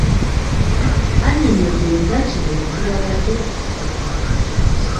Annyonnyodde nga kino bwe kibawadde essomo.